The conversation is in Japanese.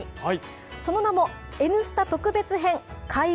その名もＮスタ特別編、「開運！